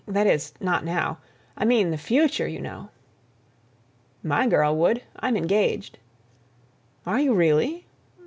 that is, not now. I mean the future, you know." "My girl would. I'm engaged." "Are you really?"